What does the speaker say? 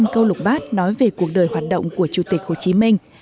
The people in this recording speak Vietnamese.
hai mươi năm câu lục bát nói về cuộc đời hoạt động của chủ tịch hồ chí minh